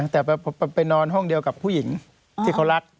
แต่ไปนอนห้องเดียวกับผู้หญิงที่เขารัก